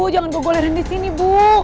jangan gue golerin disini bu